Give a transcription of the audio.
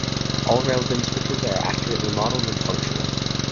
All relevant switches are accurately modelled and functional.